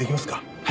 はい。